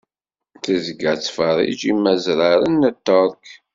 Tezga tettferrij imazraren n Tterk.